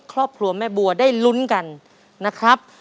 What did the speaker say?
ครอบครัวแม่บัวได้ลุ้นกันนะครับ